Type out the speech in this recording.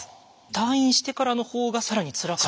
退院してからのほうが更につらかった。